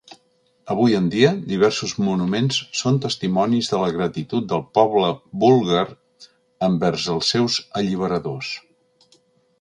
Avui en dia, diversos monuments són testimonis de la gratitud del poble búlgar envers els seus alliberadors.